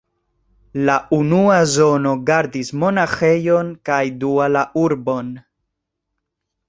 La unua zono gardis monaĥejon kaj dua la urbon.